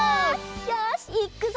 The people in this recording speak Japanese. よしいくぞ！